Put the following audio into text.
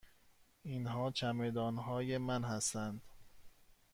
اینها چمدان های من هستند.